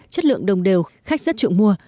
chất lượng đồng đều khách rất trượng mua